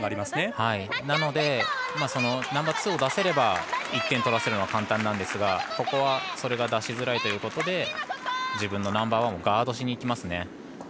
なのでナンバーツーを出せれば１点を取らせるのは簡単ですがここは、出しづらいということで自分のナンバーワンをガードしにいきますね。